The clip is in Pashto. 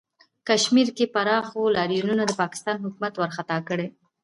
کشمیر کې پراخو لاریونونو د پاکستانی حکومت ورخطا کړی